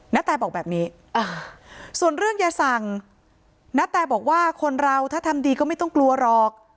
นาแตบอกแบบนี้ส่วนเรื่องยาสั่งณแตบอกว่าคนเราถ้าทำดีก็ไม่ต้องกลัวหรอก